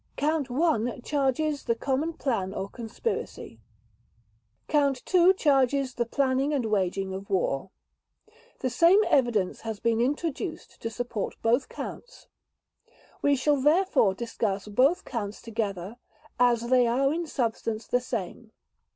Count One charges the Common Plan or Conspiracy. Count Two charges the planning and waging of war. The same evidence has been introduced to support both Counts. We shall therefore discuss both Counts together, as they are in substance the same.